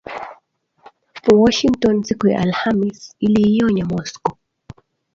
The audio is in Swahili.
Washington siku ya Alhamis iliionya Moscow.